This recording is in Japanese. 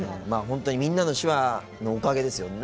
本当に「みんなの手話」のおかげですよね。